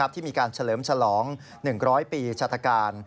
ที่มีการเฉลิมฉลอง๑๐๐ปีชาธการ